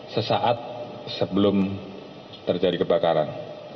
sesaat sebelum terjadi kebakaran